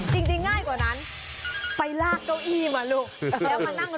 จริงง่ายกว่านั้นไปลากเก้าอี้มาลุ้ง